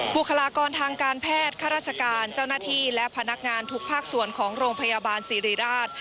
บุคลากรทางการแพทย์ข้าราชการเจ้าหน้าที่และพนักงานทุกภาคส่วนของโรงพยาบาลศิริราช